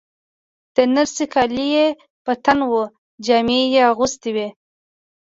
د نرسې کالي یې په تن وو، جامې یې اغوستې وې.